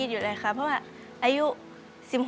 กระแซะเข้ามาสิ